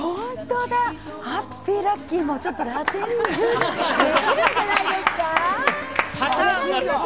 本当だ、ハッピー、ラッキーもラテン風ができるじゃないですか？